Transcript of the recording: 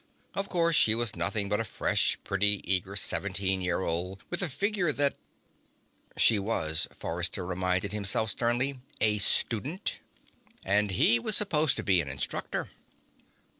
Of course, she was nothing but a fresh, pretty, eager seventeen year old, with a figure that ... She was, Forrester reminded himself sternly, a student. And he was supposed to be an instructor.